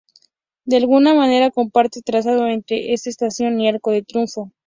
De alguna manera comparten trazado entre esta estación y Arco de Triunfo.